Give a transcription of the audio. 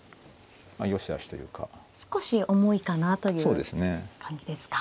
少し重いかなという感じですか。